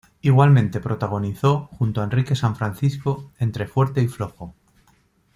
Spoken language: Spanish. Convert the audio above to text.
Igualmente protagonizó junto a Enrique San Francisco "Entre fuerte y flojo".